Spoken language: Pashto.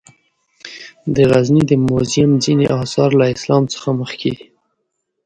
د غزني د موزیم ځینې آثار له اسلام څخه مخکې دي.